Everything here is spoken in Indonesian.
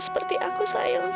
seperti aku sayangnya